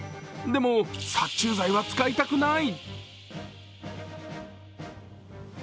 でも、殺虫剤は使いたくない。